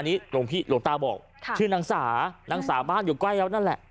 อันนี้หลวงพี่หลวงตาบอกชื่อนางสานางสาบ้านอยู่ใกล้แล้วนั่นแหละ